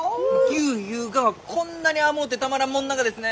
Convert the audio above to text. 牛ゆうがはこんなに甘うてたまらんもんながですね！